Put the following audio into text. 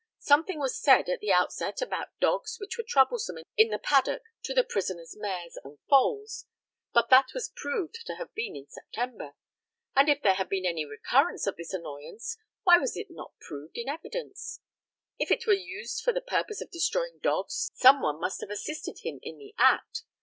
Something was said at the outset about dogs which were troublesome in the paddock to the prisoner's mares and foals, but that was proved to have been in September. And if there had been any recurrence of this annoyance why was it not proved in evidence? If it were used for the purpose of destroying dogs some one must have assisted him in the act.